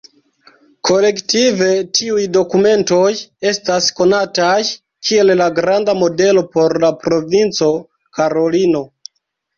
Kolektive, tiuj dokumentoj estas konataj kiel la Granda Modelo por la Provinco Karolino.